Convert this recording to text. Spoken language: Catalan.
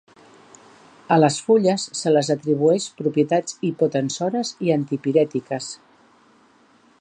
A les fulles, se les atribueix propietats hipotensores i antipirètiques.